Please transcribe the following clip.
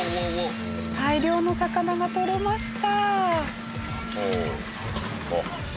大量の魚がとれました。